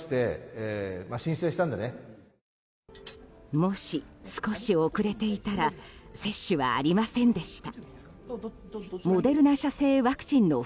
もし、少し遅れていたら接種はありませんでした。